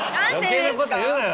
余計なこと言うなよ。